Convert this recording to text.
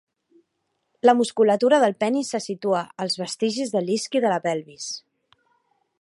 La musculatura del penis se situa als vestigis de l'isqui de la pelvis.